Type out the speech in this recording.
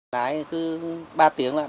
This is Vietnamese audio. lái thì cứ ba tiếng thôi